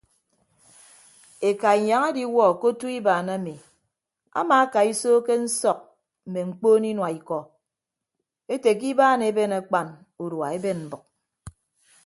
Eka inyañ ediwuọ ke otu ibaan ami amaakaiso ke nsọk mme mkpoon inua ikọ ete ke ibaan eben akpan udua eben mbʌk.